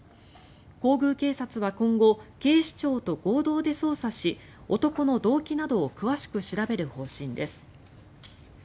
皇宮警察は今後警視庁と合同で捜査し男の動機などを詳しく調べる方針です。